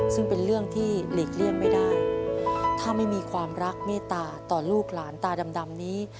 ซึ่งเป็นเรื่องที่หลีกเลี่ยงไม่ได้ถ้าไม่มีความรักเมตตาต่อลูกหลานตาดำนี้